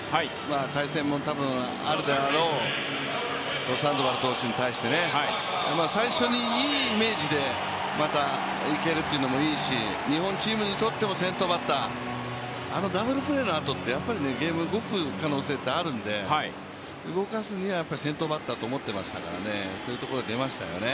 対戦も多分あるであろうサンドバル投手に対して最初にいいイメージでまたいけるっていうのもいいし日本チームにとっても先頭バッター、あのダブルプレーのあとってゲームが動く可能性があるので、動かすには先頭バッターと思っていましたからそういうところ、出ましたよね。